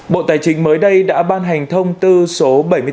bộ tài chính mới đây đã ban hành thông tư số bảy mươi bốn hai nghìn hai mươi hai